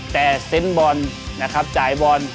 แต่เซนต์บอลนะครับจ่ายบอล